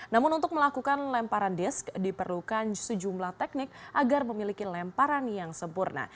namun untuk melakukan lemparan disk diperlukan sejumlah teknik agar memiliki lemparan yang sempurna